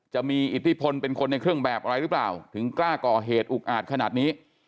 จะมีอิทธิพลเป็นคนในเครื่องแบบอะไรหรือเปล่าถึงกล้าก่อเหตุอุกอาจขนาดนี้